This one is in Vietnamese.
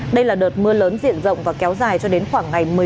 đây là đợt mưa lớn diện rộng và kéo dài cho đến khoảng ngày một mươi năm